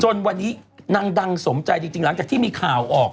วันนี้นางดังสมใจจริงหลังจากที่มีข่าวออก